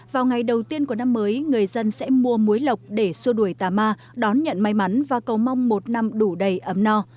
vào ngày đầu tiên của năm mới người dân sẽ mua muối lọc để xua đuổi tà ma đón nhận may mắn và cầu mong một năm đủ đầy ấm no